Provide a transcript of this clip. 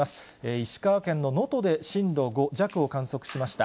石川県の能登で震度５弱を観測しました。